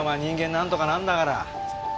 なんとかなるんだから。